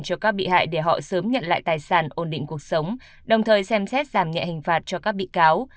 cho các bị hại để họ sớm nhận lại tài sản ổn định cuộc sống đồng thời xem xét giảm nhẹ hình phạt cho các bị cáo